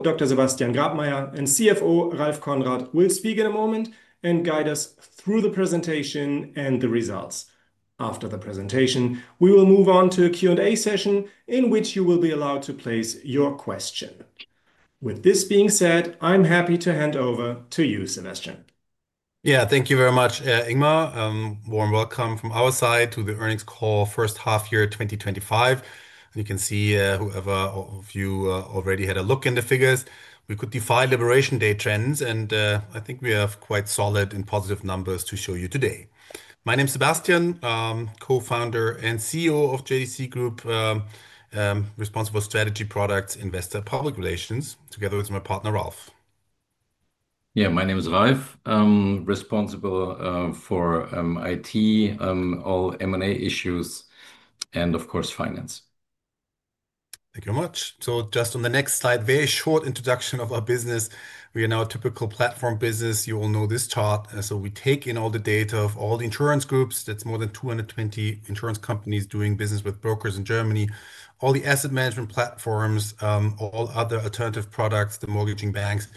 Dr. Sebastian Grabmaier and CFO Ralph Konrad will speak in a moment and guide us through the presentation and the results. After the presentation, we will move on to a Q&A session in which you will be allowed to place your question. With this being said, I'm happy to hand over to you, Sebastian. Thank you very much, Ingmar. Warm welcome from our side to the earnings call first half year 2025. You can see whoever of you already had a look in the figures. We could define liberation day trends, and I think we have quite solid and positive numbers to show you today. My name is Sebastian, I'm Co-Founder and CEO of JDC Group, responsible for strategy, products, investor, and public relations, together with my partner Ralph. Yeah, my name is Ralph. I'm responsible for IT, all M&A issues, and of course Finance. Thank you very much. On the next slide, a very short introduction of our business. We are now a typical platform business. You all know this chart. We take in all the data of all the insurance groups. That's more than 220 insurance companies doing business with brokers in Germany, all the asset management platforms, all other alternative products, the mortgaging banks.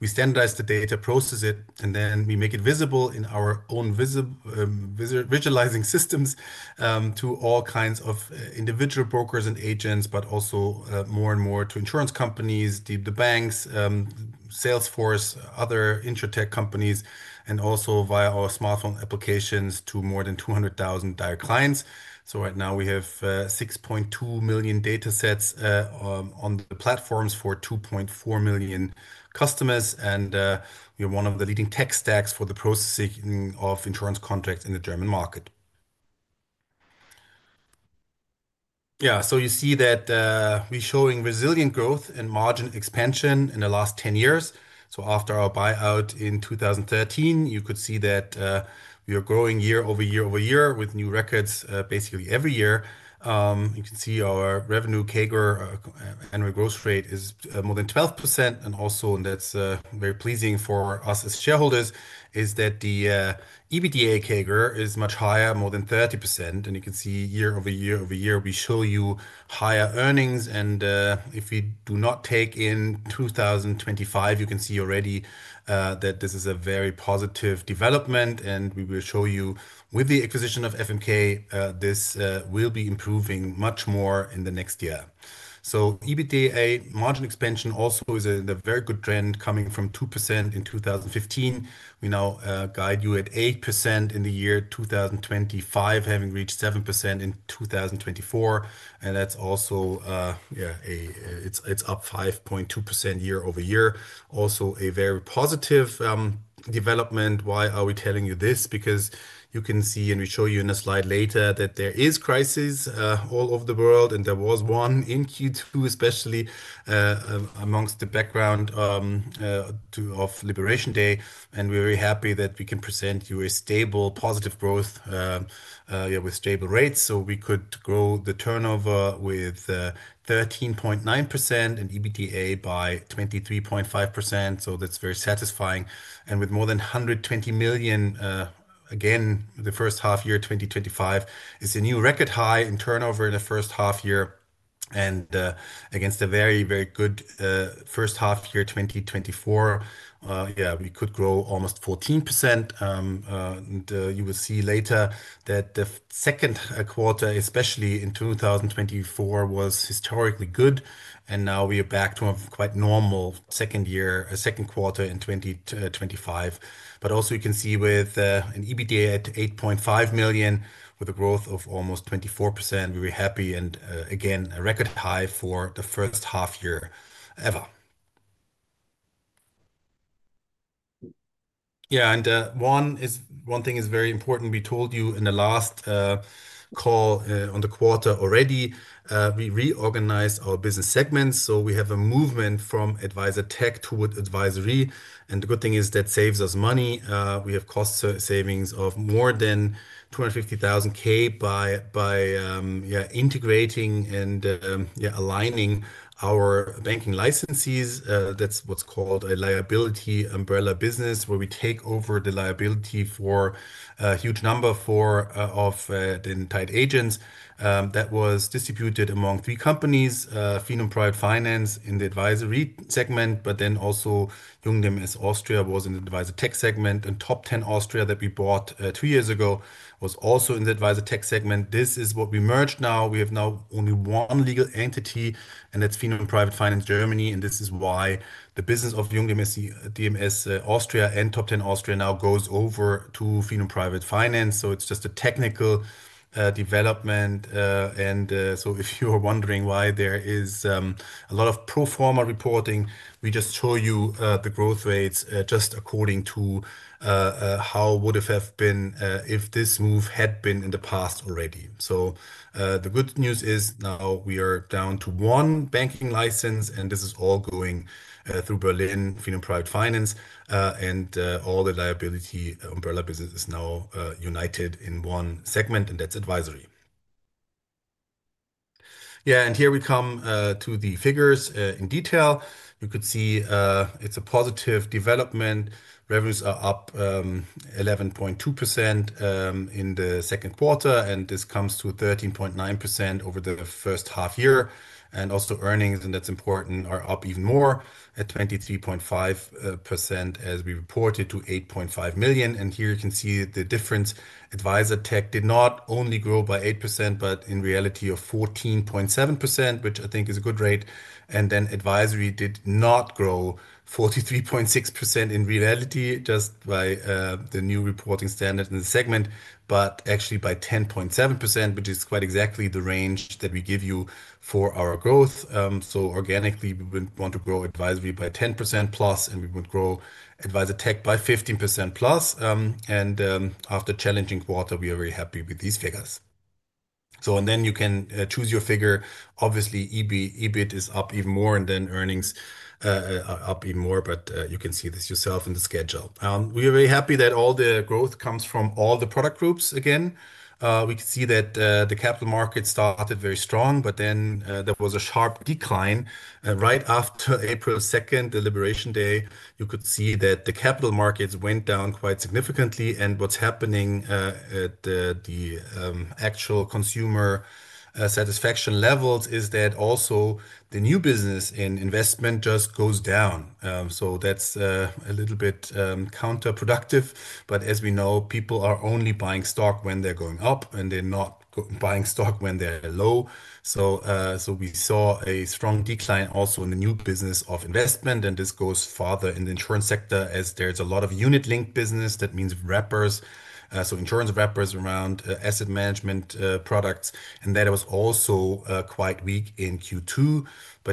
We standardize the data, process it, and then we make it visible in our own visualizing systems to all kinds of individual brokers and agents, but also more and more to insurance companies, the banks, Salesforce, other insurtech companies, and also via our smartphone applications to more than 200,000 direct clients. Right now we have 6.2 million data sets on the platforms for 2.4 million customers, and we are one of the leading tech stacks for the processing of insurance contracts in the German market. You see that we're showing resilient growth and margin expansion in the last 10 years. After our buyout in 2013, you could see that we are growing year-over-year with new records basically every year. You can see our revenue CAGR, annual growth rate, is more than 12%. Also, and that's very pleasing for us as shareholders, is that the EBITDA CAGR is much higher, more than 30%. You can see year-over-year, we show you higher earnings. If we do not take in 2025, you can see already that this is a very positive development. We will show you with the acquisition of FMK, this will be improving much more in the next year. EBITDA margin expansion also is in a very good trend coming from 2% in 2015. We now guide you at 8% in the year 2025, having reached 7% in 2024. That's also up 5.2% year-over-year. Also a very positive development. Why are we telling you this? You can see, and we show you in a slide later, that there is crisis all over the world. There was one in Q2, especially amongst the background of Liberation Day. We are very happy that we can present you a stable, positive growth with stable rates. We could grow the turnover with 13.9% and EBITDA by 23.5%. That's very satisfying. With more than 120 million, again, the first half year 2025, it's a new record high in turnover in the first half year. Against a very, very good first half year 2024, we could grow almost 14%. You will see later that the second quarter, especially in 2024, was historically good. We are back to a quite normal second quarter in 2025. You can see with an EBITDA at 8.5 million with a growth of almost 24%, we were happy. Again, a record high for the first half year ever. One thing is very important. We told you in the last call on the quarter already, we reorganize our business segments. We have a movement from advisor tech to advisory. The good thing is that saves us money. We have cost savings of more than 250,000 by integrating and aligning our banking licenses. That's what's called a liability umbrella business, where we take over the liability for a huge number of the entitled agents. That was distributed among three companies: FinUM Private Finance in the advisory segment, but then also Jung, DMS & Cie. Austria was in the advisor tech segment. Top Ten Austria that we bought two years ago was also in the advisor tech segment. This is what we merged now. We have now only one legal entity, and that's FinUM Private Finance Germany. This is why the business of Jung, DMS & Cie. Austria and Top Ten Austria now goes over to FinUM Private Finance. It's just a technical development. If you're wondering why there is a lot of pro forma reporting, we just show you the growth rates just according to how it would have been if this move had been in the past already. The good news is now we are down to one banking license, and this is all going through Berlin, FinUM Private Finance, and all the liability umbrella business is now united in one segment, and that's advisory. Here we come to the figures in detail. You could see it's a positive development. Revenues are up 11.2% in the second quarter, and this comes to 13.9% over the first half year. Also earnings, and that's important, are up even more at 23.5% as we reported to 8.5 million. Here you can see the difference. Advisor tech did not only grow by 8%, but in reality of 14.7%, which I think is a good rate. Advisory did not grow 43.6% in reality, just by the new reporting standard in the segment, but actually by 10.7%, which is quite exactly the range that we give you for our growth. Organically, we would want to grow advisory by 10%+, and we would grow advisor tech by 15%+. After a challenging quarter, we are very happy with these figures. You can choose your figure. Obviously, EBIT is up even more, and then earnings are up even more, but you can see this yourself in the schedule. We are very happy that all the growth comes from all the product groups again. We can see that the capital markets started very strong, but then there was a sharp decline right after April 2nd, the Liberation Day. You could see that the capital markets went down quite significantly, and what's happening at the actual consumer satisfaction levels is that also the new business in investment just goes down. That's a little bit counterproductive. As we know, people are only buying stock when they're going up, and they're not buying stock when they're low. We saw a strong decline also in the new business of investment, and this goes farther in the insurance sector as there's a lot of unit-linked business. That means wrappers, so insurance wrappers around asset management products. That was also quite weak in Q2.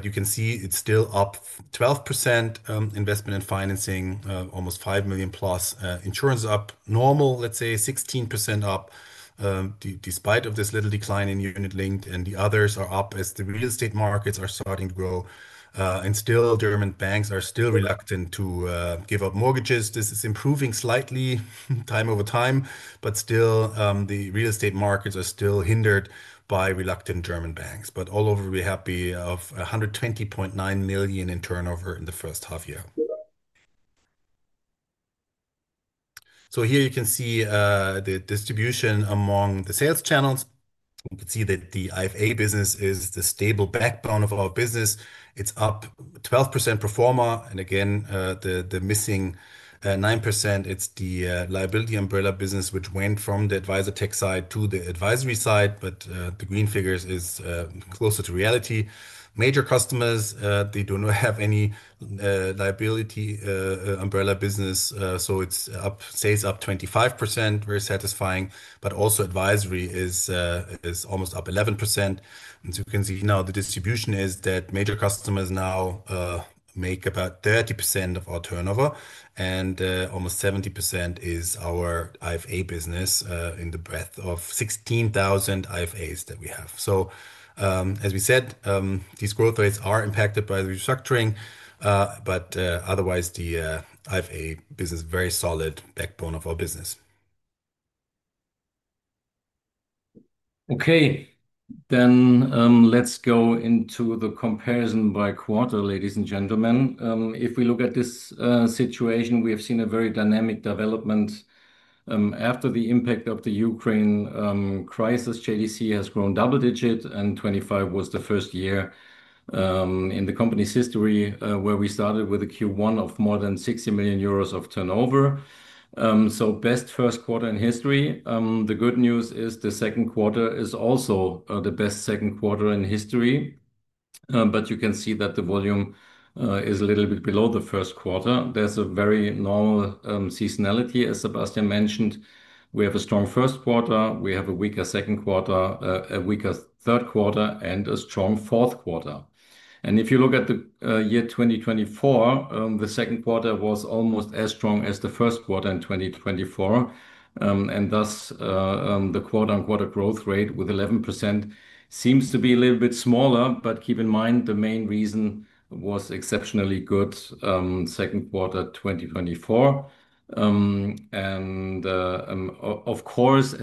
You can see it's still up 12% investment and financing, almost 5+ million insurance up. Normal, let's say 16% up, despite this little decline in unit-linked, and the others are up as the real estate markets are starting to grow. Still, German banks are still reluctant to give up mortgages. This is improving slightly time over time, but still, the real estate markets are still hindered by reluctant German banks. All over, we're happy of 120.9 million in turnover in the first half year. Here you can see the distribution among the sales channels. You can see that the IFA business is the stable backbone of our business. It's up 12% performer. The missing 9%, it's the liability umbrella business, which went from the advisor tech side to the advisory side. The green figures are closer to reality. Major customers, they do not have any liability umbrella business. It stays up 25%, very satisfying. Also advisory is almost up 11%. You can see now the distribution is that major customers now make about 30% of our turnover, and almost 70% is our IFA business in the breadth of 16,000 IFAs that we have. As we said, these growth rates are impacted by the restructuring, but otherwise, the IFA business is a very solid backbone of our business. Okay, let's go into the comparison by quarter, ladies and gentlemen. If we look at this situation, we have seen a very dynamic development. After the impact of the Ukraine crisis, JDC has grown double digits, and 2025 was the first year in the company's history where we started with a Q1 of more than 60 million euros of turnover. Best first quarter in history. The good news is the second quarter is also the best second quarter in history. You can see that the volume is a little bit below the first quarter. There is a very normal seasonality, as Sebastian mentioned. We have a strong first quarter, a weaker second quarter, a weaker third quarter, and a strong fourth quarter. If you look at the year 2024, the second quarter was almost as strong as the first quarter in 2024. Thus, the quarter-on-quarter growth rate with 11% seems to be a little bit smaller, but keep in mind the main reason was an exceptionally good second quarter 2024. As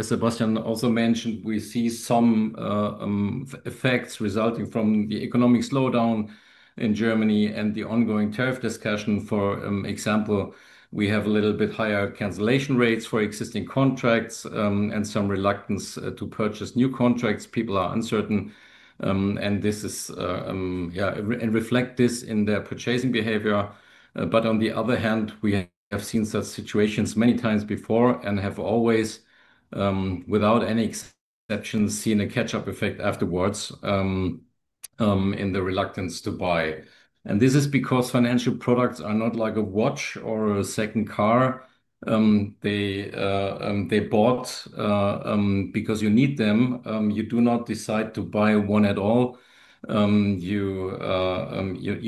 Sebastian also mentioned, we see some effects resulting from the economic slowdown in Germany and the ongoing tariff discussion. For example, we have a little bit higher cancellation rates for existing contracts and some reluctance to purchase new contracts. People are uncertain, and this reflects in their purchasing behavior. On the other hand, we have seen such situations many times before and have always, without any exception, seen a catch-up effect afterwards in the reluctance to buy. This is because financial products are not like a watch or a second car. They are bought because you need them. You do not decide to buy one at all. You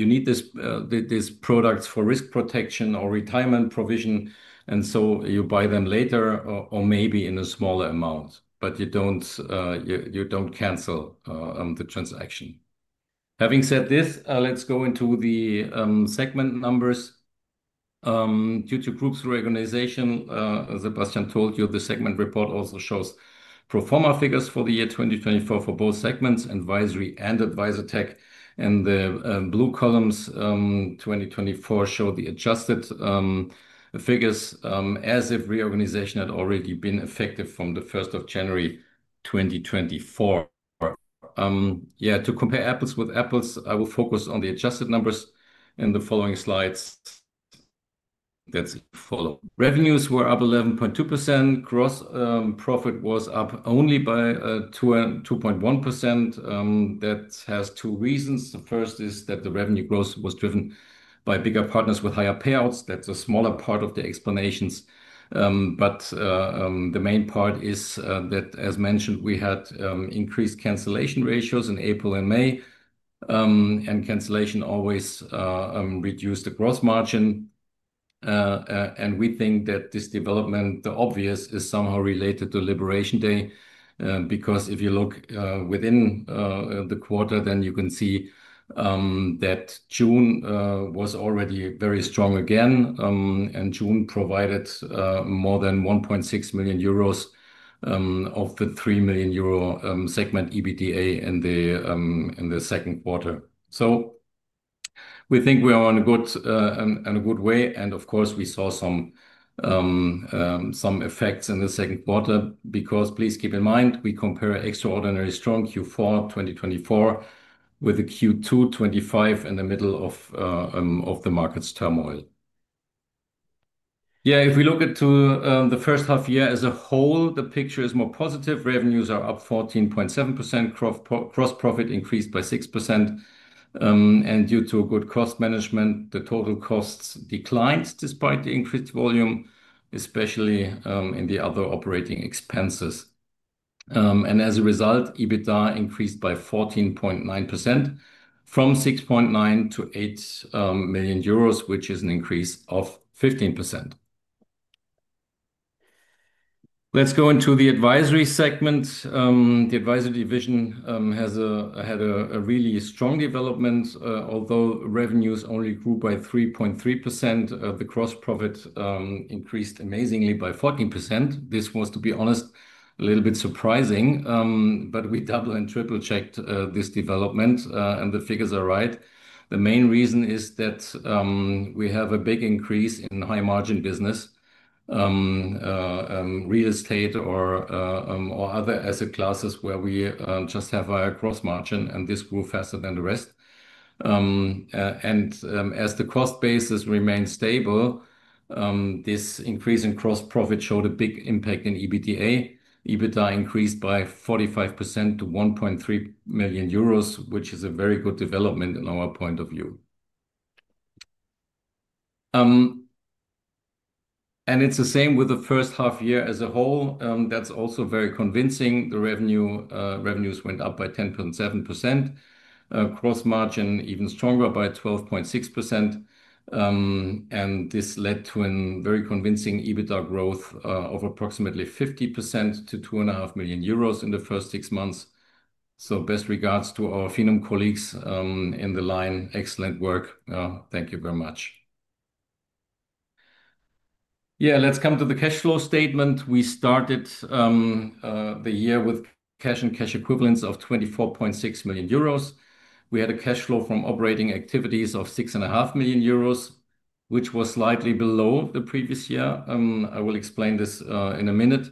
need these products for risk protection or retirement provision, so you buy them later or maybe in a smaller amount, but you do not cancel the transaction. Having said this, let's go into the segment numbers. Due to the group's reorganization, as Sebastian told you, the segment report also shows pro forma figures for the year 2024 for both segments, advisory and advisor tech. The blue columns 2024 show the adjusted figures as if reorganization had already been effective from January 1, 2024. To compare apples with apples, I will focus on the adjusted numbers in the following slides. Revenues were up 11.2%. Gross profit was up only by 2.1%. That has two reasons. The first is that the revenue growth was driven by bigger partners with higher payouts. That is a smaller part of the explanation. The main part is that, as mentioned, we had increased cancellation ratios in April and May. Cancellation always reduces the gross margin. We think that this development, the obvious, is somehow related to Liberation Day. If you look within the quarter, you can see that June was already very strong again. June provided more than 1.6 million euros of the 3 million euro segment EBITDA in the second quarter. We think we are on a good way. Of course, we saw some effects in the second quarter because please keep in mind, we compare an extraordinarily strong Q4 2024 with a Q2 2025 in the middle of the market's turmoil. If we look at the first half year as a whole, the picture is more positive. Revenues are up 14.7%. Gross profit increased by 6%. Due to good cost management, the total costs declined despite the increased volume, especially in the other operating expenses. As a result, EBITDA increased by 14.9% from 6.9 million to 8 million euros, which is an increase of 15%. Let's go into the advisory segment. The advisory division had a really strong development, although revenues only grew by 3.3%. The gross profit increased amazingly by 14%. This was, to be honest, a little bit surprising. We double and triple-checked this development, and the figures are right. The main reason is that we have a big increase in high margin business, real estate, or other asset classes where we just have higher gross margin, and this grew faster than the rest. As the cost basis remains stable, this increase in gross profit showed a big impact in EBITDA. EBITDA increased by 45% to 1.3 million euros, which is a very good development in our point of view. It's the same with the first half year as a whole. That's also very convincing. The revenues went up by 10.7%. Gross margin even stronger by 12.6%. This led to a very convincing EBITDA growth of approximately 50% to 2.5 million euros in the first six months. Best regards to our FinUM colleagues in the line. Excellent work. Thank you very much. Let's come to the cash flow statement. We started the year with cash and cash equivalents of 24.6 million euros. We had a cash flow from operating activities of 6.5 million euros, which was slightly below the previous year. I will explain this in a minute.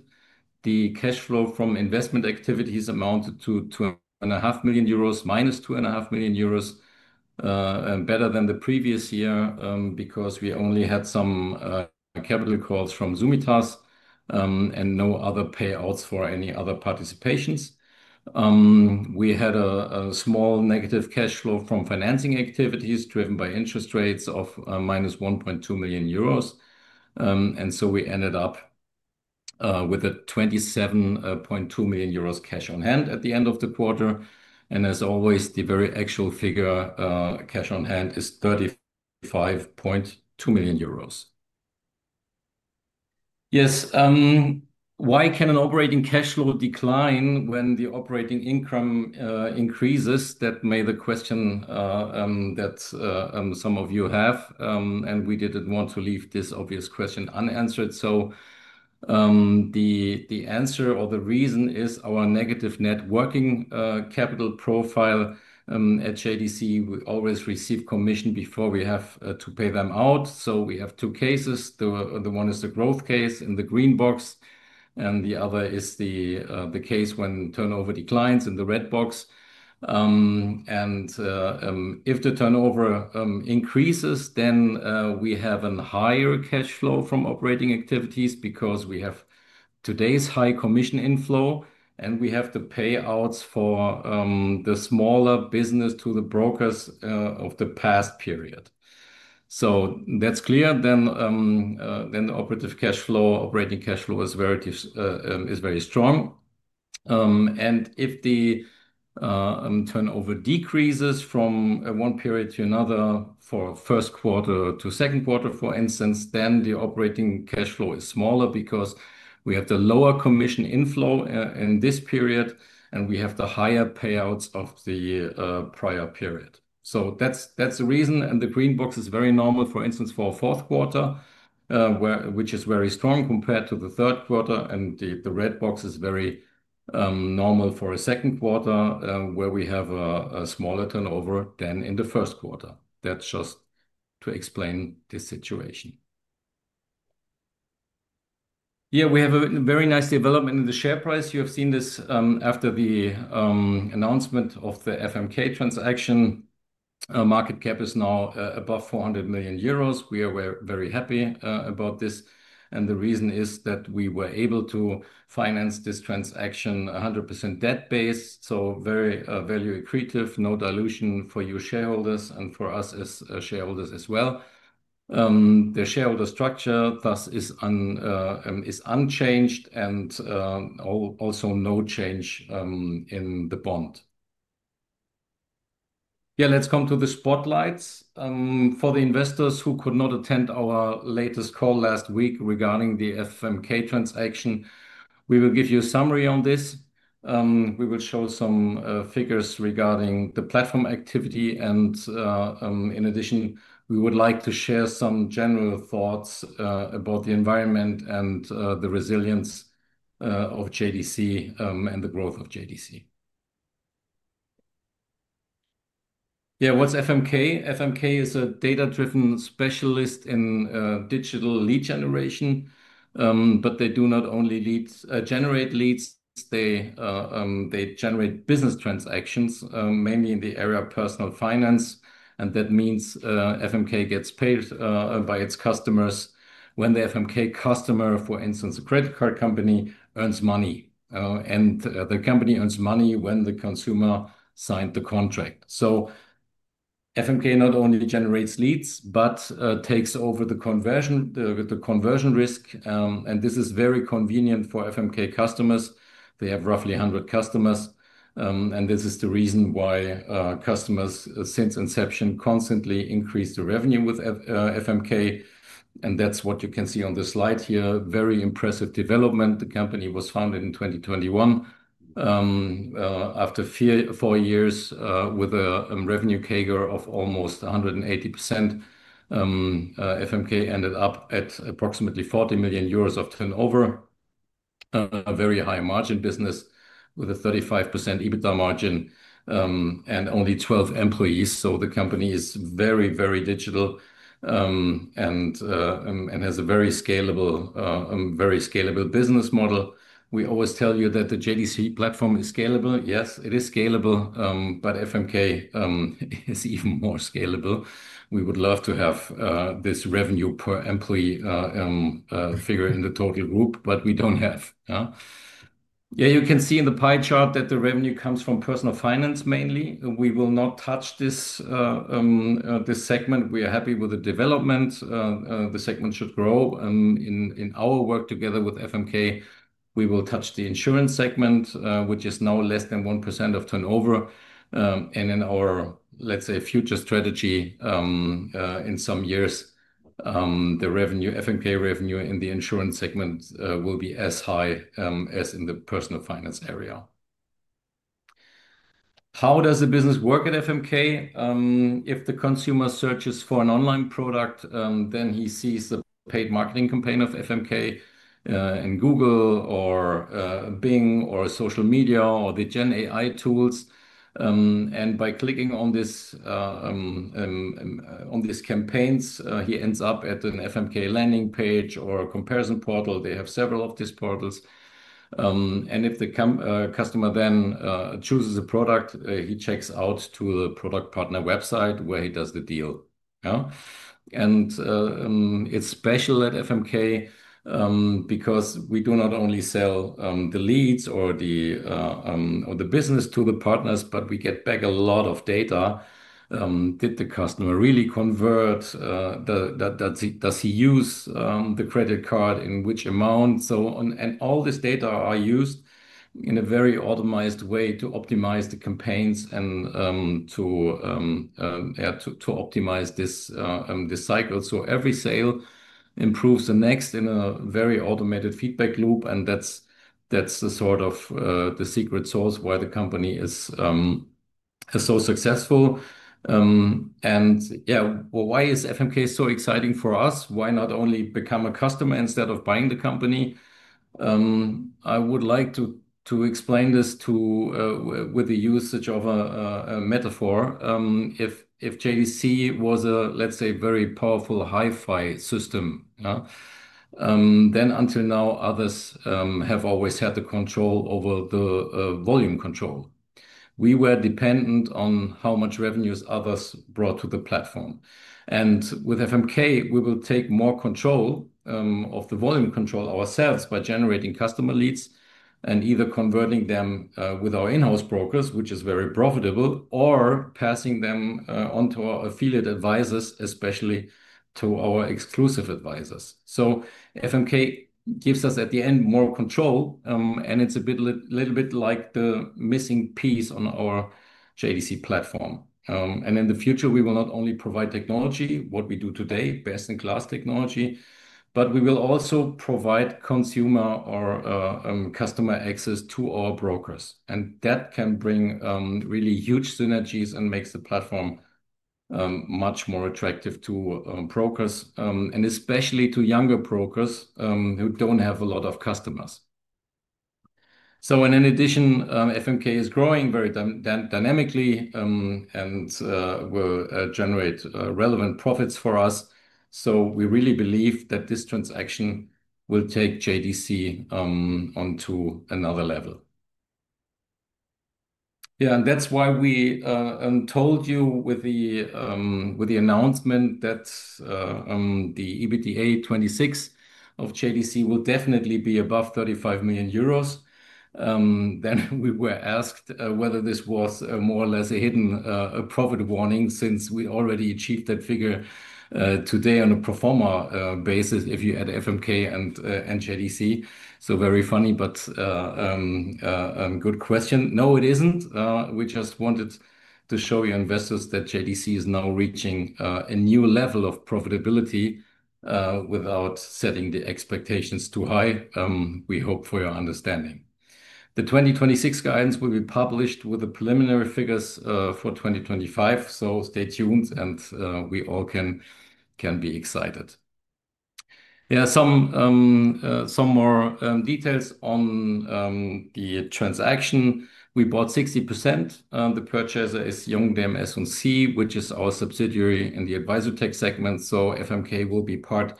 The cash flow from investment activities amounted to -2.5 million euros, better than the previous year because we only had some capital calls from [Zumitas] and no other payouts for any other participations. We had a small negative cash flow from financing activities driven by interest rates of -1.2 million euros. We ended up with 27.2 million euros cash on hand at the end of the quarter. As always, the very actual figure cash on hand is 35.2 million euros. Yes. Why can an operating cash flow decline when the operating income increases? That may be the question that some of you have. We didn't want to leave this obvious question unanswered. The answer or the reason is our negative net working capital profile. At JDC, we always receive commission before we have to pay them out. We have two cases. One is the growth case in the green box, and the other is the case when turnover declines in the red box. If the turnover increases, then we have a higher cash flow from operating activities because we have today's high commission inflow, and we have the payouts for the smaller business to the brokers of the past period. That's clear. The operating cash flow is very strong. If the turnover decreases from one period to another, for first quarter to second quarter, for instance, then the operating cash flow is smaller because we have the lower commission inflow in this period, and we have the higher payouts of the prior period. That's the reason. The green box is very normal, for instance, for a fourth quarter, which is very strong compared to the third quarter. The red box is very normal for a second quarter where we have a smaller turnover than in the first quarter. That's just to explain this situation. We have a very nice development in the share price. You have seen this after the announcement of the FMK. Market cap is now above 400 million euros. We are very happy about this. The reason is that we were able to finance this transaction 100% debt-based. Very value accretive, no dilution for you shareholders and for us as shareholders as well. The shareholder structure thus is unchanged and also no change in the bond. Let's come to the spotlights. For the investors who could not attend our latest call last week regarding the FMK, we will give you a summary on this. We will show some figures regarding the platform activity. In addition, we would like to share some general thoughts about the environment and the resilience of JDC and the growth of JDC. What's FMK? FMK is a data-driven specialist in digital lead generation. They do not only generate leads, they generate business transactions, mainly in the area of personal finance. That means FMK gets paid by its customers when the FMK customer, for instance, a credit card company, earns money. The company earns money when the consumer signs the contract. FMK not only generates leads, but takes over the conversion risk. This is very convenient for FMK customers. They have roughly 100 customers. This is the reason why customers, since inception, constantly increase the revenue with FMK. That's what you can see on the slide here. Very impressive development. The company was founded in 2021. After four years with a revenue CAGR of almost 180%, FMK ended up at approximately 40 million euros of turnover. A very high margin business with a 35% EBITDA margin and only 12 employees. The company is very, very digital and has a very scalable business model. We always tell you that the JDC platform is scalable. Yes, it is scalable, but FMK is even more scalable. We would love to have this revenue per employee figure in the total group, but we don't have. You can see in the pie chart that the revenue comes from personal finance mainly. We will not touch this segment. We are happy with the development. The segment should grow. In our work together with FMK, we will touch the insurance segment, which is now less than 1% of turnover. In our, let's say, future strategy in some years, the FMK revenue in the insurance segment will be as high as in the personal finance area. How does the business work at FMK? If the consumer searches for an online product, then he sees the paid marketing campaign of FMK in Google or Bing or social media or the GenAI tools. By clicking on these campaigns, he ends up at an FMK landing page or a comparison portal. They have several of these portals. If the customer then chooses a product, he checks out to the product partner website where he does the deal. It's special at FMK because we do not only sell the leads or the business to the partners, but we get back a lot of data. Did the customer really convert? Does he use the credit card in which amount? All this data is used in a very automized way to optimize the campaigns and to optimize this cycle. Every sale improves the next in a very automated feedback loop. That's the sort of the secret sauce why the company is so successful. Why is FMK so exciting for us? Why not only become a customer instead of buying the company? I would like to explain this with the usage of a metaphor. If JDC was a, let's say, very powerful hi-fi system, until now, others have always had the control over the volume control. We were dependent on how much revenues others brought to the platform. With FMK, we will take more control of the volume control ourselves by generating customer leads and either converting them with our in-house brokers, which is very profitable, or passing them on to our affiliate advisors, especially to our exclusive advisors. FMK gives us, at the end, more control. It's a little bit like the missing piece on our JDC platform. In the future, we will not only provide technology, what we do today, best-in-class technology, but we will also provide consumer or customer access to our brokers. That can bring really huge synergies and makes the platform much more attractive to brokers, especially to younger brokers who don't have a lot of customers. In addition, FMK is growing very dynamically and will generate relevant profits for us. We really believe that this transaction will take JDC onto another level. That's why we told you with the announcement that the EBITDA 2026 of JDC will definitely be above 35 million euros. We were asked whether this was more or less a hidden profit warning since we already achieved that figure today on a pro forma basis if you add FMK and JDC. Very funny, but good question. No, it isn't. We just wanted to show your investors that JDC is now reaching a new level of profitability without setting the expectations too high. We hope for your understanding. The 2026 guidance will be published with the preliminary figures for 2025. Stay tuned and we all can be excited. Some more details on the transaction. We bought 60%. The purchaser is Jung, DMS & Cie. Austria, which is our subsidiary in the advisor tech segment. FMK will be part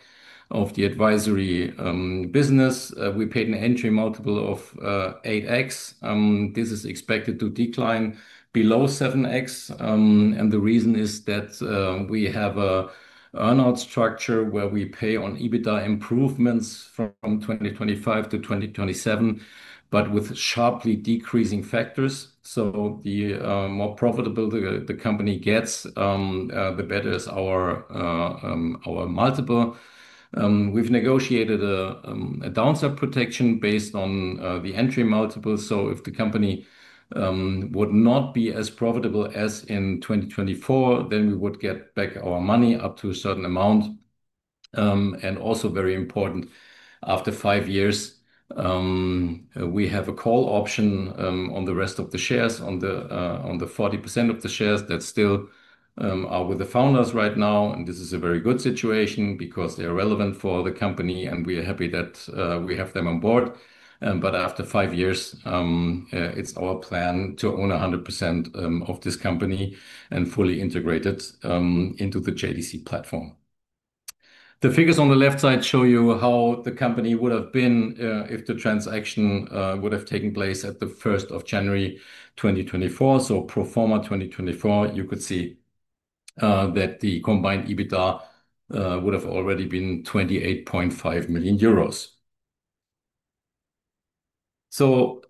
of the advisory business. We paid an entry multiple of 8x. This is expected to decline below 7x. The reason is that we have an earnout structure where we pay on EBITDA improvements from 2025 to 2027, but with sharply decreasing factors. The more profitable the company gets, the better is our multiple. We've negotiated a downside protection based on the entry multiple. If the company would not be as profitable as in 2024, then we would get back our money up to a certain amount. Also very important, after five years, we have a call option on the rest of the shares, on the 40% of the shares that still are with the founders right now. This is a very good situation because they are relevant for the company and we are happy that we have them on board. After five years, it's our plan to own 100% of this company and fully integrate it into the JDC platform. The figures on the left side show you how the company would have been if the transaction would have taken place at 1st January, 2024. Pro forma 2024, you could see that the combined EBITDA would have already been 28.5 million euros. How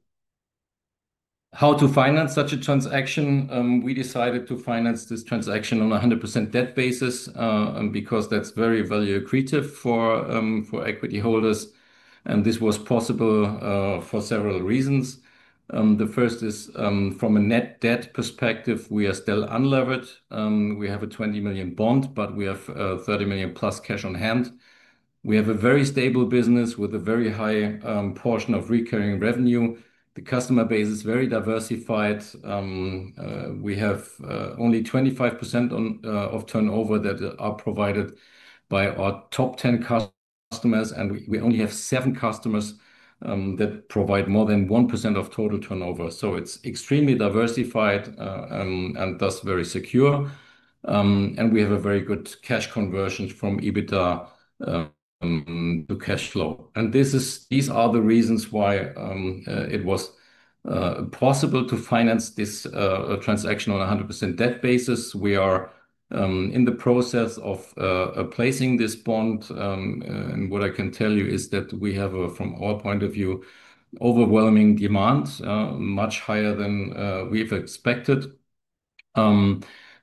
to finance such a transaction? We decided to finance this transaction on a 100% debt basis because that's very value accretive for equity holders. This was possible for several reasons. The first is from a net debt perspective, we are still unlevered. We have a 20 million bond, but we have 30 million plus cash on hand. We have a very stable business with a very high portion of recurring revenue. The customer base is very diversified. We have only 25% of turnover that is provided by our top 10 customers. We only have seven customers that provide more than 1% of total turnover. It's extremely diversified and thus very secure. We have a very good cash conversion from EBITDA to cash flow. These are the reasons why it was possible to finance this transaction on a 100% debt basis. We are in the process of placing this bond. What I can tell you is that we have, from our point of view, overwhelming demand, much higher than we have expected.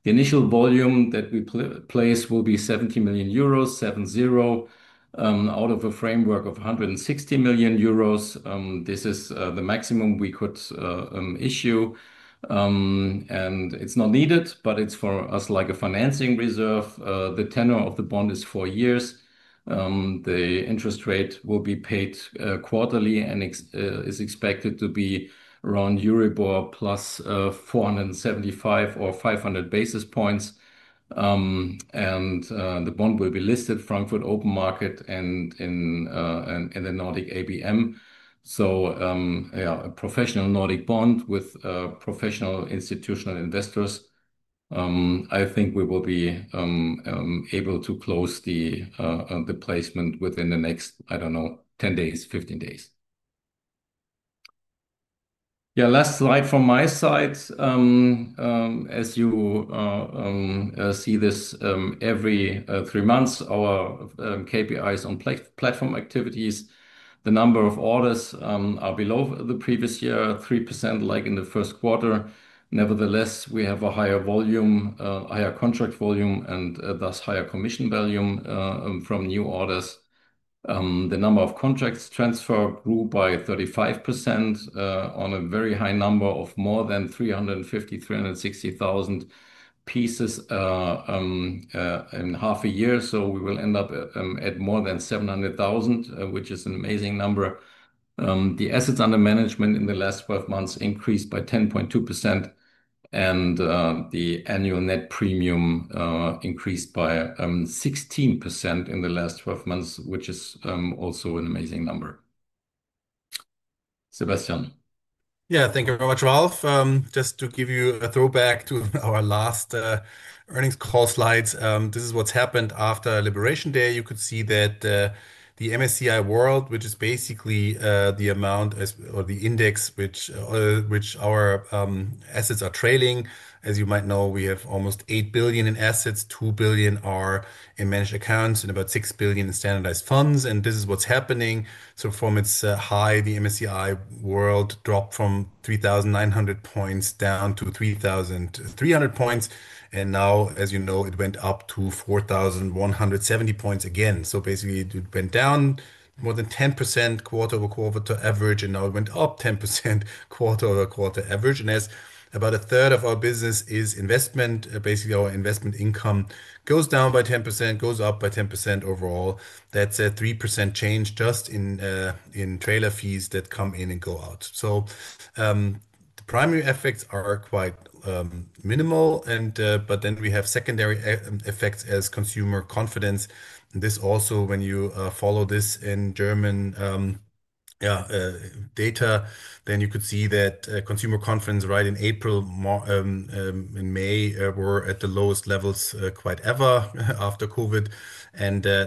The initial volume that we place will be 70 million euros, seven zero, out of a framework of 160 million euros. This is the maximum we could issue. It's not needed, but it's for us like a financing reserve. The tenor of the bond is four years. The interest rate will be paid quarterly and is expected to be around Euribor +475 or 500 basis points. The bond will be listed at Frankfurt Open Market and in the Nordic ABM. A professional Nordic bond with professional institutional investors. I think we will be able to close the placement within the next, I don't know, 10 days, 15 days. Last slide from my side. As you see this every three months, our KPIs on platform activities, the number of orders are below the previous year, 3% like in the first quarter. Nevertheless, we have a higher volume, higher contract volume, and thus higher commission volume from new orders. The number of contracts transferred grew by 35% on a very high number of more than 350,000, 360,000 pieces in half a year. We will end up at more than 700,000, which is an amazing number. The assets under management in the last 12 months increased by 10.2%. The annual net premium increased by 16% in the last 12 months, which is also an amazing number. Sebastian. Yeah, thank you very much, Ralph. Just to give you a throwback to our last earnings call slides, this is what's happened after Liberation Day. You could see that the MSCI World, which is basically the amount or the index which our assets are trailing. As you might know, we have almost 8 billion in assets, 2 billion are in managed accounts and about 6 billion in standardized funds. This is what's happening. From its high, the MSCI World dropped from 3,900 points down to 3,300 points. Now, as you know, it went up to 4,170 points again. Basically, it went down more than 10% quarter over quarter average, and now it went up 10% quarter over quarter average. As about a third of our business is investment, basically our investment income goes down by 10%, goes up by 10% overall. That's a 3% change just in trailer fees that come in and go out. The primary effects are quite minimal, but then we have secondary effects as consumer confidence. When you follow this in German data, you could see that consumer confidence right in April and May were at the lowest levels quite ever after COVID.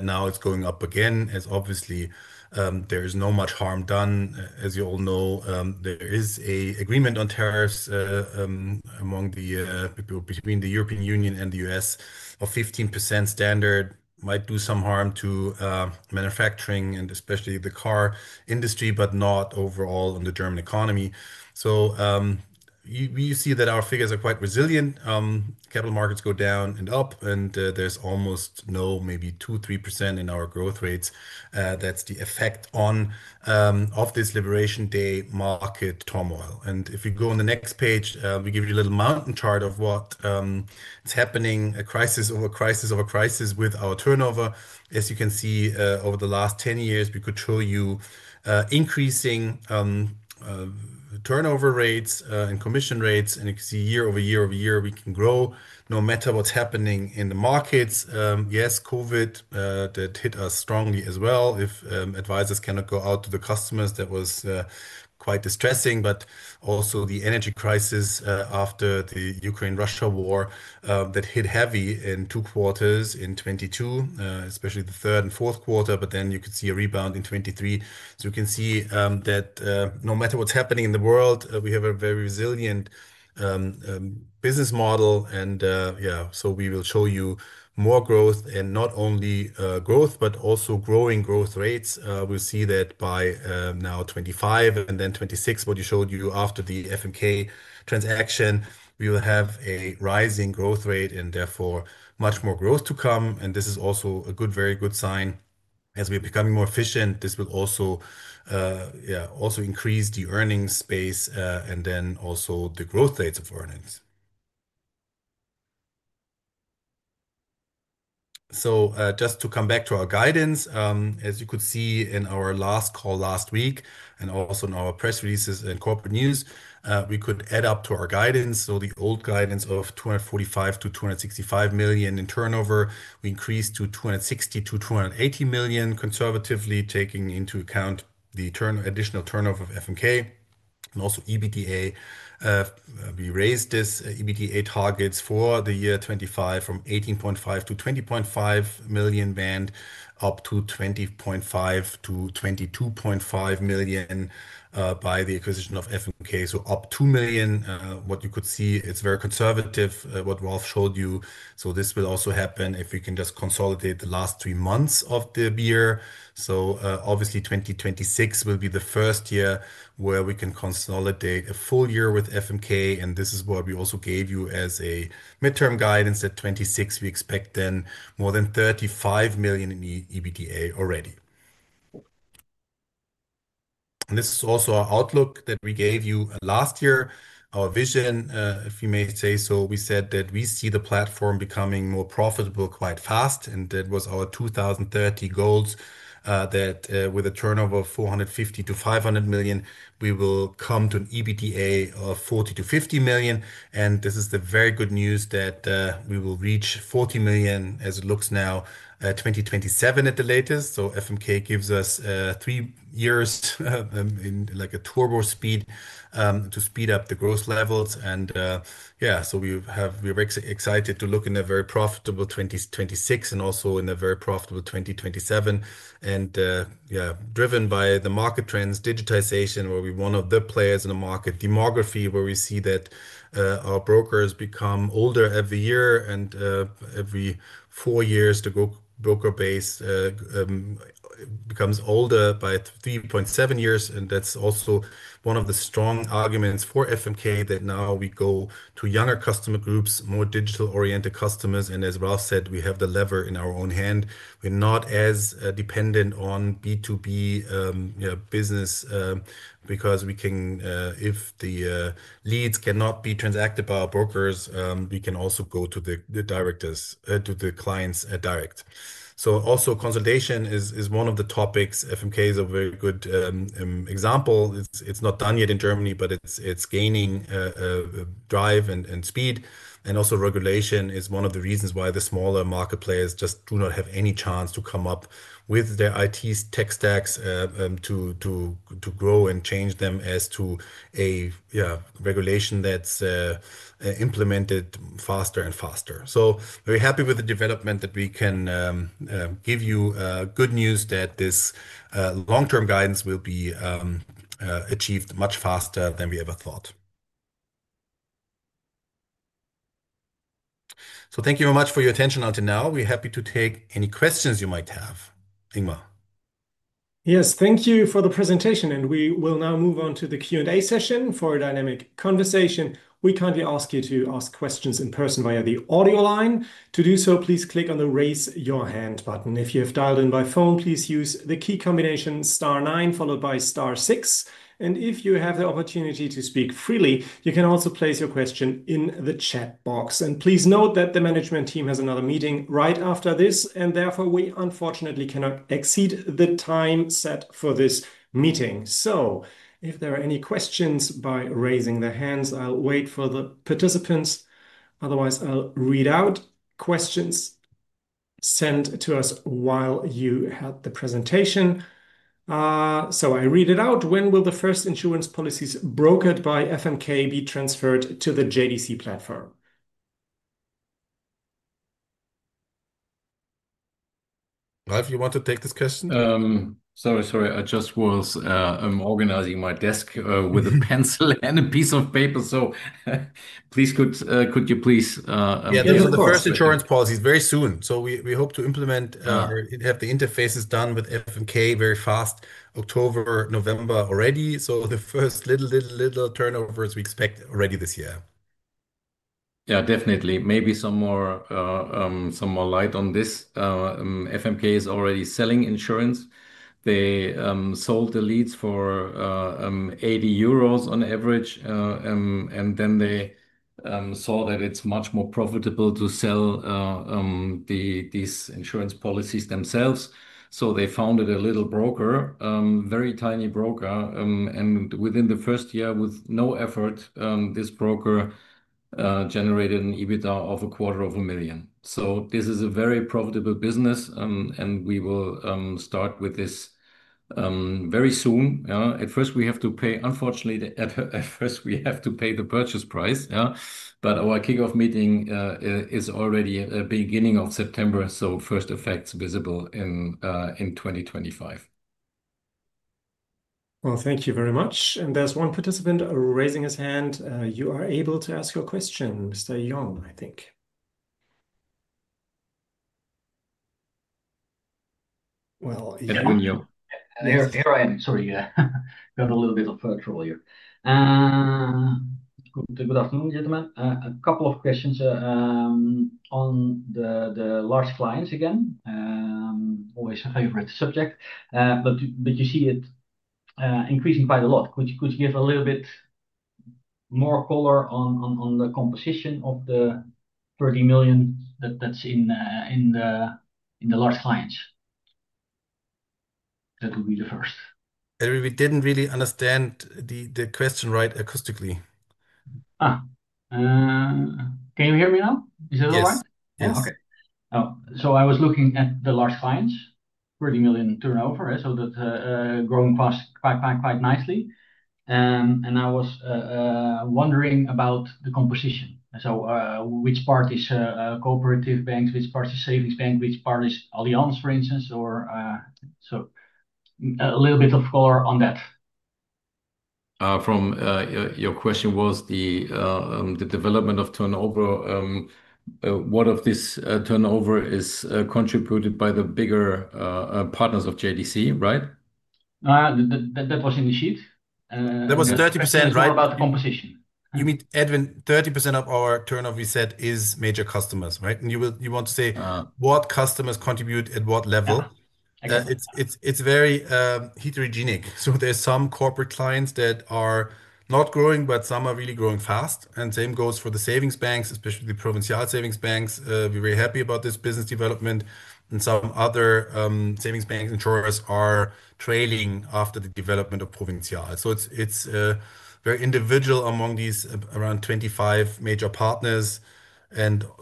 Now it's going up again, as obviously there is not much harm done. As you all know, there is an agreement on tariffs among the people between the European Union and the U.S. of 15% standard. It might do some harm to manufacturing and especially the car industry, but not overall in the German economy. You see that our figures are quite resilient. Capital markets go down and up, and there's almost no, maybe 2%-3% in our growth rates. That's the effect on this Liberation Day market turmoil. If you go on the next page, we give you a little mountain chart of what is happening, a crisis over crisis over crisis with our turnover. As you can see, over the last 10 years, we could show you increasing turnover rates and commission rates. You can see year-over-year we can grow no matter what's happening in the markets. Yes, COVID that hit us strongly as well. If advisors cannot go out to the customers, that was quite distressing. Also the energy crisis after the Ukraine-Russia war that hit heavy in two quarters in 2022, especially the third and fourth quarter. Then you could see a rebound in 2023. You can see that no matter what's happening in the world, we have a very resilient business model. Yeah, we will show you more growth and not only growth, but also growing growth rates. We'll see that by now 2025 and then 2026, what you showed you after the FMK transaction, we will have a rising growth rate and therefore much more growth to come. This is also a very good sign. As we are becoming more efficient, this will also increase the earnings space and then also the growth rates of earnings. Just to come back to our guidance, as you could see in our last call last week and also in our press releases and corporate news, we could add up to our guidance. The old guidance of EUR 245EUR 265 million in turnover, we increased to 260 to 280 million conservatively, taking into account the additional turnover of FMK and also EBITDA. We raised these EBITDA targets for the year 2025 from 18.5 million to 20.5 million band up to 20.5 million to 22.5 million by the acquisition of FMK. Up 2 million, what you could see, it's very conservative, what Ralph showed you. This will also happen if we can just consolidate the last three months of the year. Obviously, 2026 will be the first year where we can consolidate a full year with FMK. This is what we also gave you as a midterm guidance at 2026. We expect then more than 35 million in EBITDA already. This is also our outlook that we gave you last year, our vision, if you may say so. We said that we see the platform becoming more profitable quite fast. That was our 2030 goals, that with a turnover of 450million-500 million, we will come to an EBITDA of 40 million-50 million. This is the very good news that we will reach 40 million as it looks now, 2027 at the latest. FMK gives us three years in like a turbo speed to speed up the growth levels. Yeah, we're excited to look in a very profitable 2026 and also in a very profitable 2027. Driven by the market trends, digitization, where we're one of the players in the market, demography, where we see that our brokers become older every year. Every four years, the broker base becomes older by 3.7 years. That's also one of the strong arguments for FMK that now we go to younger customer groups, more digital-oriented customers. As Ralph said, we have the lever in our own hand. We're not as dependent on B2B business because we can, if the leads cannot be transacted by our brokers, we can also go to the directors, to the clients direct. Also, consolidation is one of the topics. FMK is a very good example. It's not done yet in Germany, but it's gaining drive and speed. Also, regulation is one of the reasons why the smaller market players just do not have any chance to come up with their IT tech stacks to grow and change them as to a regulation that's implemented faster and faster. We're happy with the development that we can give you good news that this long-term guidance will be achieved much faster than we ever thought. Thank you very much for your attention until now. We're happy to take any questions you might have. Ingmar. Yes, thank you for the presentation. We will now move on to the Q&A session for a dynamic conversation. We kindly ask you to ask questions in person via the audio line. To do so, please click on the Raise Your Hand button. If you have dialed in by phone, please use the key combination star nine followed by star six. If you have the opportunity to speak freely, you can also place your question in the chat box. Please note that the management team has another meeting right after this, and therefore, we unfortunately cannot exceed the time set for this meeting. If there are any questions by raising the hands, I'll wait for the participants. Otherwise, I'll read out questions sent to us while you have the presentation. I read it out. When will the first insurance policies brokered by FMK be transferred to the JDC platform? Ralph, you want to take this question? Sorry, I just was organizing my desk with a pencil and a piece of paper. Please, could you please? Yeah, the first insurance policy is very soon. We hope to implement, have the interfaces done with FMK very fast, October, November already. The first little, little, little turnovers we expect already this year. Yeah, definitely. Maybe some more light on this. FMK is already selling insurance. They sold the leads for 80 euros on average, and then they saw that it's much more profitable to sell these insurance policies themselves. They founded a little broker, a very tiny broker, and within the first year, with no effort, this broker generated an EBITDA of a quarter of a million. This is a very profitable business, and we will start with this very soon. At first, we have to pay, unfortunately, at first, we have to pay the purchase price. Our kickoff meeting is already the beginning of September. First effects are visible in 2025. Thank you very much. There's one participant raising his hand. You are able to ask your question, Mr. Young, I think. I am sorry, yeah. I'm a little bit of a virtual here. Good afternoon, gentlemen. A couple of questions on the large clients again. Always a favorite subject. You see it increasing quite a lot. Could you give a little bit more color on the composition of the 30 million that's in the large clients? That would be the first. We didn't really understand the question right, acoustically. Can you hear me now? Is that all right? Yes. Oh, I was looking at the large clients, 30 million turnover. That's grown quite nicely. I was wondering about the composition. Which part is cooperative banks, which part is savings bank, which part is Allianz, for instance? A little bit of color on that. Your question was the development of turnover. What of this turnover is contributed by the bigger partners of JDC, right? That was in the sheet. That was 30%, right? You mean 30% of our turnover, you said, is major customers, right? You want to say what customers contribute at what level. It's very heterogeneic. There are some corporate clients that are not growing, but some are really growing fast. The same goes for the savings banks, especially the provincial savings banks. We're very happy about this business development. Some other savings bank insurers are trailing after the development of provincial. It's very individual among these around 25 major partners.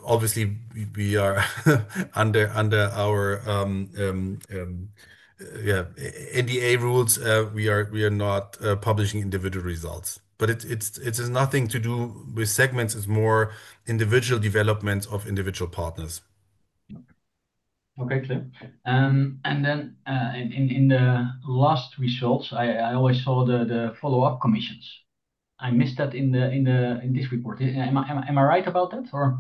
Obviously, we are under our NDA rules. We are not publishing individual results. It has nothing to do with segments. It's more individual developments of individual partners. Okay, clear. In the last results, I always saw the follow-up commissions. I missed that in this report. Am I right about that?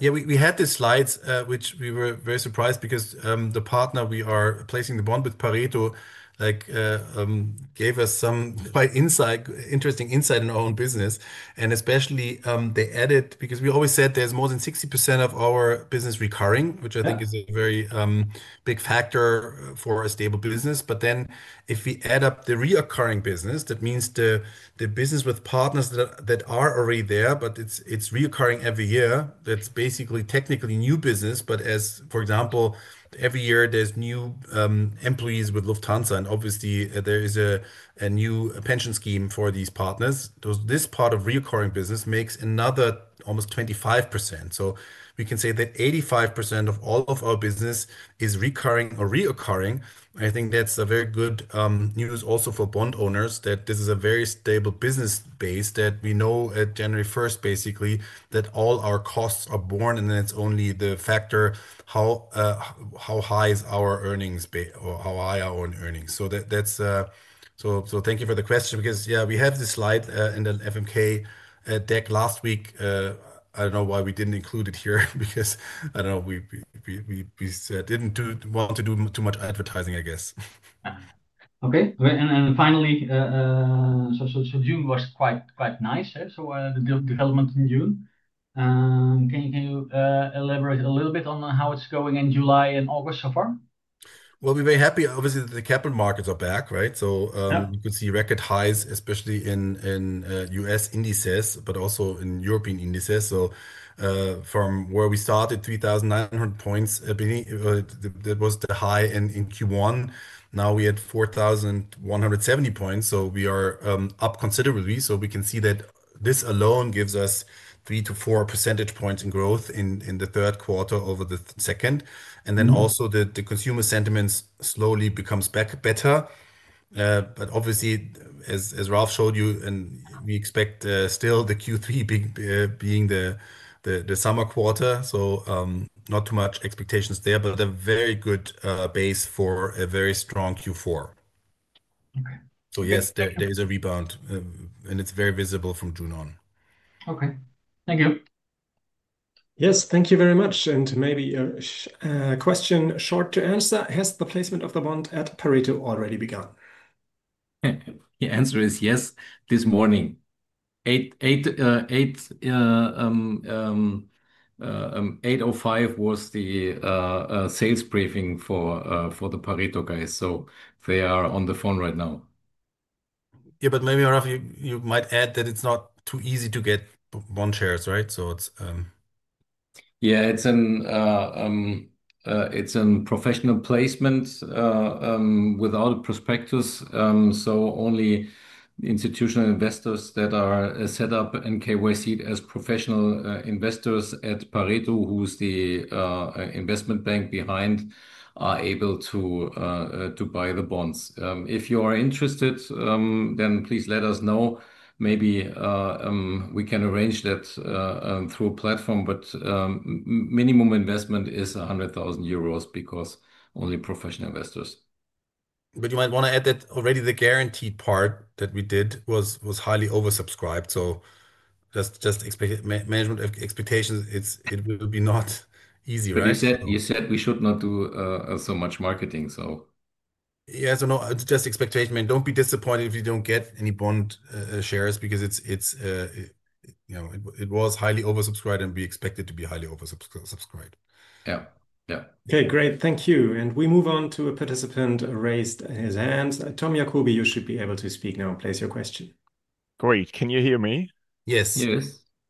Yeah, we had these slides, which we were very surprised because the partner we are placing the bond with, Pareto, gave us some quite interesting insight in our own business. Especially, they added, because we always said there's more than 60% of our business recurring, which I think is a very big factor for a stable business. If we add up the recurring business, that means the business with partners that are already there, but it's recurring every year. That's basically technically new business. For example, every year there's new employees with Lufthansa, and obviously, there is a new pension scheme for these partners. This part of recurring business makes another almost 25%. We can say that 85% of all of our business is recurring or recurring. I think that's very good news also for bond owners that this is a very stable business base, that we know at January 1st, basically, that all our costs are born. It's only the factor how high is our earnings or how high are our own earnings. Thank you for the question because, yeah, we had this slide in the FMK deck last week. I don't know why we didn't include it here because I don't know. We didn't want to do too much advertising, I guess. Okay. Finally, June was quite nice. The development in June, can you elaborate a little bit on how it's going in July and August so far? We are very happy. Obviously, the capital markets are back, right? You could see record highs, especially in U.S. indices, but also in European indices. From where we started, 3,900 points, I believe that was the high in Q1. Now we are at 4,170 points. We are up considerably. We can see that this alone gives us 3%-4% in growth in the third quarter over the second. Also, the consumer sentiment slowly becomes better. Obviously, as Ralph showed you, we expect still the Q3 being the summer quarter, so not too much expectations there, but a very good base for a very strong Q4. Yes, there is a rebound and it's very visible from June on. Okay, thank you. Yes, thank you very much. Maybe a question short to answer. Has the placement of the bond at Pareto already begun? The answer is yes. This morning, 8:05 A.M. was the sales briefing for the Pareto guys. They are on the phone right now. Yeah, maybe Ralph, you might add that it's not too easy to get bond shares, right? Yeah, it's a professional placement without a prospectus. Only institutional investors that are set up and KYC'd as professional investors at Pareto, who's the investment bank behind, are able to buy the bonds. If you are interested, then please let us know. Maybe we can arrange that through a platform, but minimum investment is 100,000 euros because only professional investors. You might want to add that already the guaranteed part that we did was highly oversubscribed. Just expect management expectations, it will be not easy, right? You said we should not do so much marketing. No, just expectation. Don't be disappointed if you don't get any bond shares because it was highly oversubscribed, and we expect it to be highly oversubscribed. Yeah, yeah. Okay, great. Thank you. We move on to a participant who raised his hand. Tom Jacoby, you should be able to speak now and place your question. Great. Can you hear me? Yes.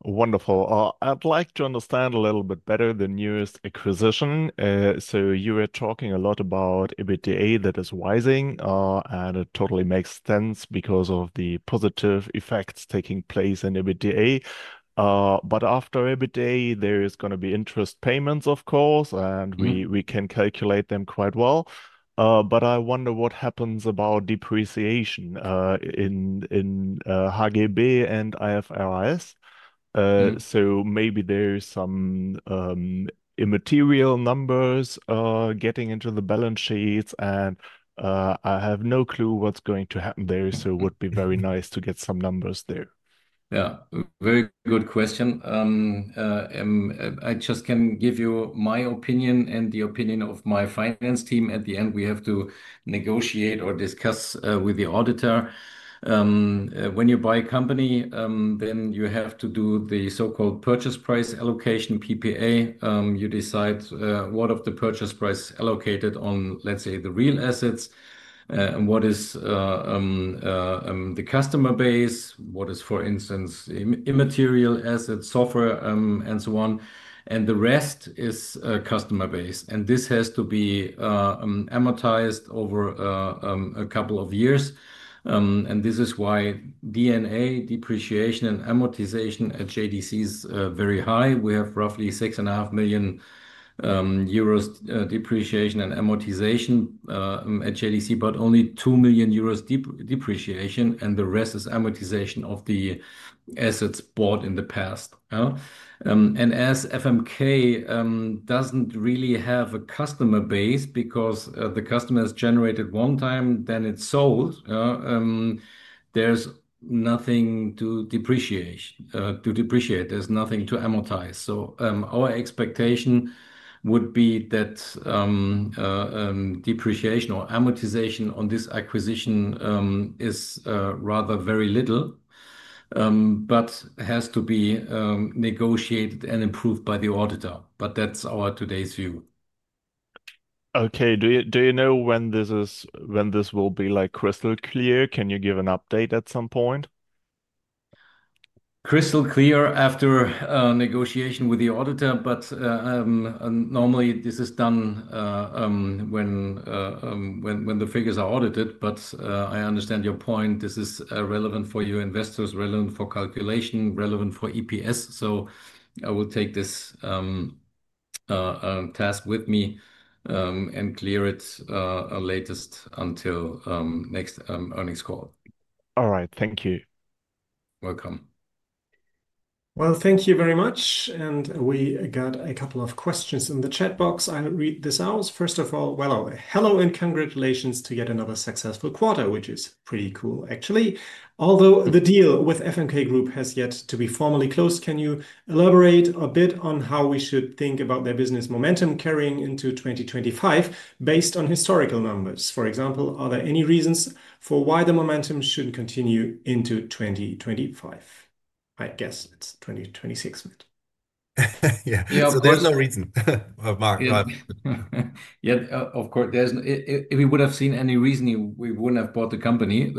Yes. Wonderful. I'd like to understand a little bit better the newest acquisition. You were talking a lot about EBITDA that is rising. It totally makes sense because of the positive effects taking place in EBITDA. After EBITDA, there is going to be interest payments, of course, and we can calculate them quite well. I wonder what happens about depreciation in HGB and IFRS. Maybe there are some immaterial numbers getting into the balance sheets. I have no clue what's going to happen there. It would be very nice to get some numbers there. Yeah, very good question. I just can give you my opinion and the opinion of my finance team. At the end, we have to negotiate or discuss with the auditor. When you buy a company, then you have to do the so-called purchase price allocation, PPA. You decide what of the purchase price is allocated on, let's say, the real assets. What is the customer base? What is, for instance, immaterial assets, software, and so on? The rest is customer base. This has to be amortized over a couple of years. This is why D&A, depreciation, and amortization at JDC is very high. We have roughly 6.5 million euros depreciation and amortization at JDC, but only 2 million euros depreciation. The rest is amortization of the assets bought in the past. As FMK doesn't really have a customer base because the customer has generated one time, then it's sold, there's nothing to depreciate. There's nothing to amortize. Our expectation would be that depreciation or amortization on this acquisition is rather very little, but has to be negotiated and approved by the auditor. That's our today's view. Okay. Do you know when this will be crystal clear? Can you give an update at some point? Crystal clear after negotiation with the auditor. Normally, this is done when the figures are audited. I understand your point. This is relevant for your investors, relevant for calculation, relevant for EPS. I will take this task with me and clear it at the latest until next earnings call. All right. Thank you. Welcome. Thank you very much. We got a couple of questions in the chat box. I'll read this out. First of all, "Hello and congratulations to yet another successful quarter," which is pretty cool, actually. "Although the deal with FMK Group has yet to be formally closed, can you elaborate a bit on how we should think about their business momentum carrying into 2025 based on historical numbers? For example, are there any reasons for why the momentum shouldn't continue into 2025?" I guess it's 2026, right? There's no reason. Of course, if we would have seen any reasoning, we wouldn't have bought the company.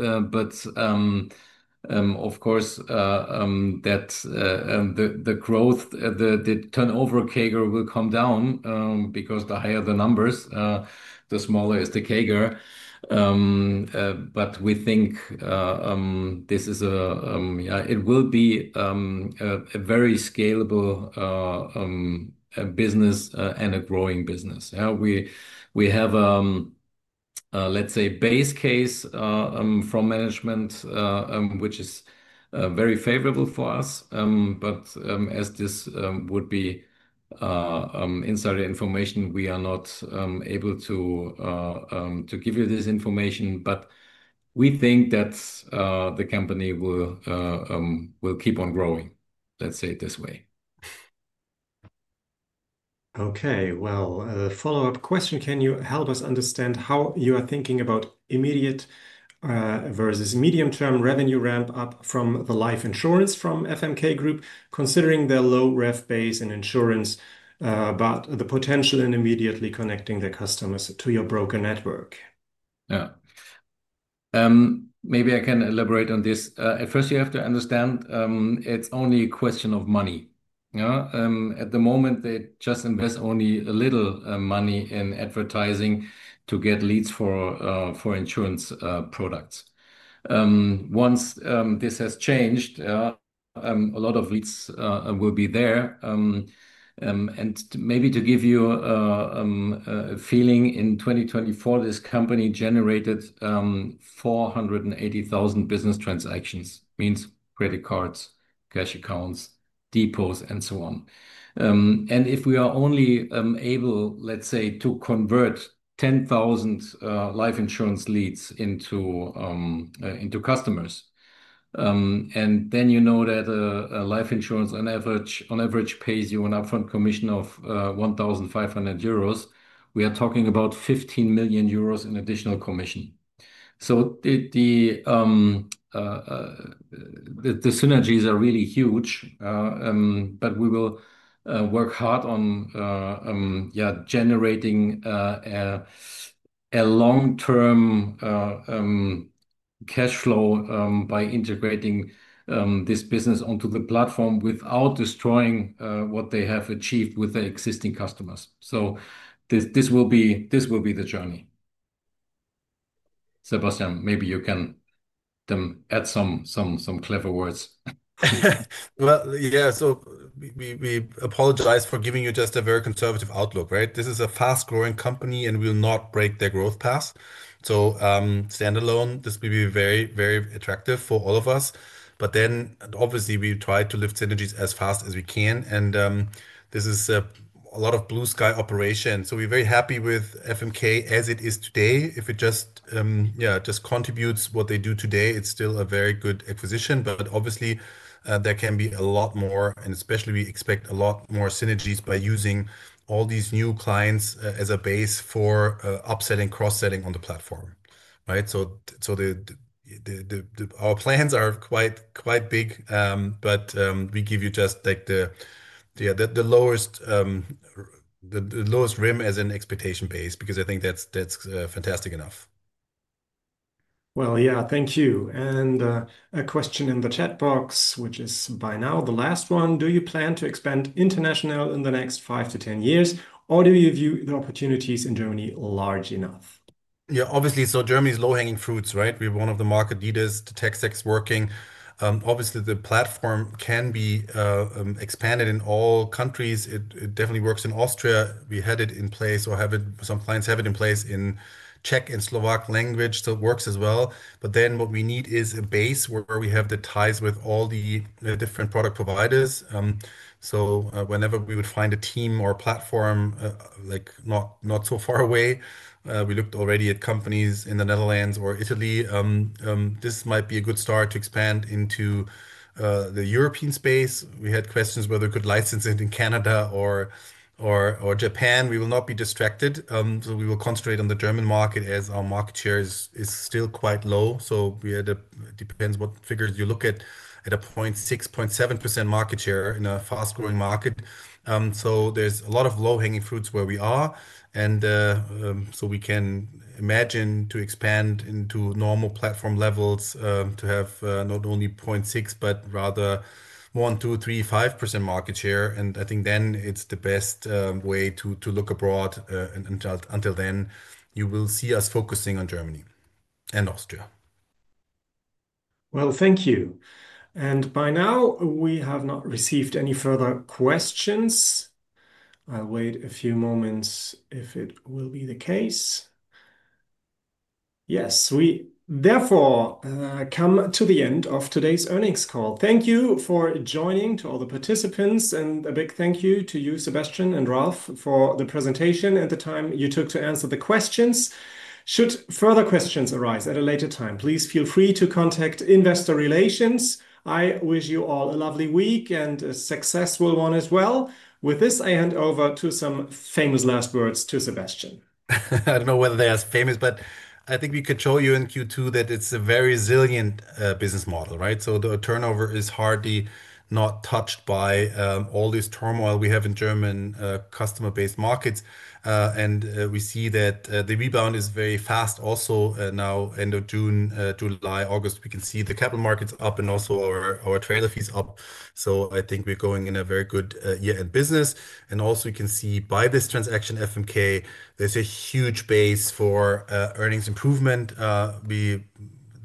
Of course, the growth, the turnover CAGR will come down because the higher the numbers, the smaller is the CAGR. We think this is a very scalable business and a growing business. We have, let's say, a base case from management, which is very favorable for us. As this would be insider information, we are not able to give you this information. We think that the company will keep on growing. Let's say it this way. Okay. A follow-up question. "Can you help us understand how you are thinking about immediate versus medium-term revenue ramp up from the life insurance from FMK Group, considering their low ref base in insurance, but the potential in immediately connecting the customers to your broker network? Yeah. Maybe I can elaborate on this. At first, you have to understand it's only a question of money. At the moment, they just invest only a little money in advertising to get leads for insurance products. Once this has changed, a lot of leads will be there. Maybe to give you a feeling, in 2024, this company generated 480,000 business transactions, meaning credit cards, cash accounts, depots, and so on. If we are only able, let's say, to convert 10,000 life insurance leads into customers, and then you know that a life insurance on average pays you an upfront commission of 1,500 euros, we are talking about 15 million euros in additional commission. The synergies are really huge. We will work hard on generating a long-term cash flow by integrating this business onto the platform without destroying what they have achieved with their existing customers. This will be the journey. Sebastian, maybe you can add some clever words. We apologize for giving you just a very conservative outlook, right? This is a fast-growing company and will not break their growth path. Standalone, this will be very, very attractive for all of us. Obviously, we try to lift synergies as fast as we can. This is a lot of blue-sky operation. We're very happy with FMK as it is today. If it just contributes what they do today, it's still a very good acquisition. Obviously, there can be a lot more, and especially we expect a lot more synergies by using all these new clients as a base for upselling and cross-selling on the platform, right? Our plans are quite, quite big. We give you just the lowest rim as an expectation base because I think that's fantastic enough. Thank you. A question in the chat box, which is by now the last one: "Do you plan to expand internationally in the next 5-10 years, or do you view the opportunities in Germany large enough? Yeah, obviously. Germany is low-hanging fruit, right? We're one of the market leaders, the tech stack's working. Obviously, the platform can be expanded in all countries. It definitely works in Austria. We had it in place, or some clients have it in place in Czech and Slovak language, so it works as well. What we need is a base where we have the ties with all the different product providers. Whenever we would find a team or a platform, like not so far away, we looked already at companies in the Netherlands or Italy. This might be a good start to expand into the European space. We had questions whether we could license it in Canada or Japan. We will not be distracted. We will concentrate on the German market as our market share is still quite low. It depends what figures you look at, at a 0.6%, 0.7% market share in a fast-growing market. There's a lot of low-hanging fruit where we are. We can imagine to expand into normal platform levels to have not only 0.6%, but rather 1%, 2%, 3%, 5% market share. I think then it's the best way to look abroad. Until then, you will see us focusing on Germany and Austria. Thank you. By now, we have not received any further questions. I'll wait a few moments if it will be the case. Yes, we therefore come to the end of today's earnings call. Thank you for joining to all the participants. A big thank you to you, Sebastian and Ralph, for the presentation and the time you took to answer the questions. Should further questions arise at a later time, please feel free to contact Investor Relations. I wish you all a lovely week and a successful one as well. With this, I hand over to some famous last words to Sebastian. I don't know whether they're as famous, but I think we could show you in Q2 that it's a very resilient business model, right? The turnover is hardly touched by all this turmoil we have in German customer-based markets. We see that the rebound is very fast. Also, now, end of June, July, August, we can see the capital markets up and also our trailer fees up. I think we're going in a very good year-end business. You can see by this transaction, FMK, there's a huge base for earnings improvement. We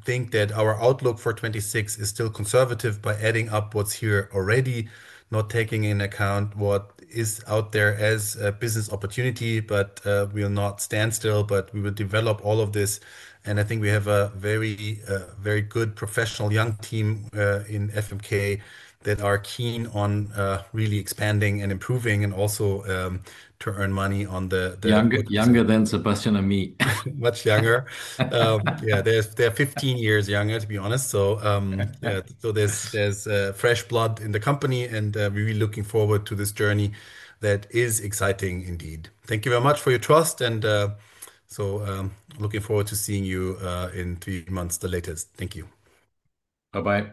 think that our outlook for 2026 is still conservative by adding up what's here already, not taking in account what is out there as a business opportunity. We will not stand still, but we will develop all of this. I think we have a very, very good professional young team in FMK that are keen on really expanding and improving and also to earn money on the. Younger than Sebastian and me. Much younger. Yeah, they're 15 years younger, to be honest. There's fresh blood in the company and we're really looking forward to this journey that is exciting indeed. Thank you very much for your trust. Looking forward to seeing you in three months, the latest. Thank you. Bye-bye.